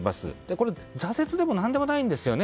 これ、挫折でも何でもないんですよね。